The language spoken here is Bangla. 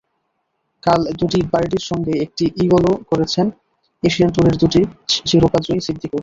কাল দুটি বার্ডির সঙ্গে একটি ইগলও করেছেন এশিয়ান ট্যুরের দুটি শিরোপাজয়ী সিদ্দিকুর।